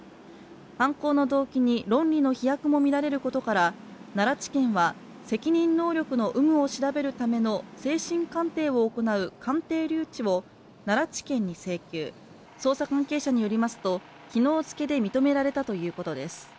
犯行の動機に論理の飛躍もみられることから奈良地検は責任能力の有無を調べるための精神鑑定を行う鑑定留置を奈良地検に請求、捜査関係者によりますと昨日付で認められたということです。